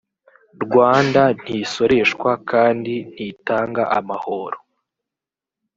rwanda ntisoreshwa kandi ntitanga amahoro